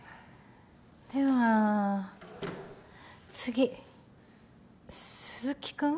では次鈴木君？